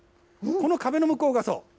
この壁の向こうがそう。